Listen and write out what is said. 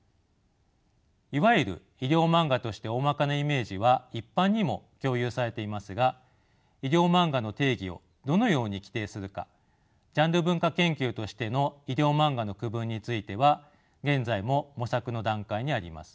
いわゆる医療マンガとしておおまかなイメージは一般にも共有されていますが医療マンガの定義をどのように規定するかジャンル文化研究としての医療マンガの区分については現在も模索の段階にあります。